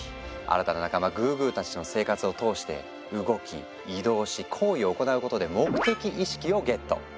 新たな仲間グーグーたちとの生活を通して動き移動し行為を行うことで「目的意識」をゲット！